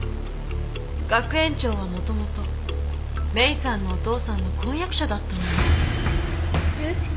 学園長はもともとメイさんのお父さんの婚約者だったのよ。えっ？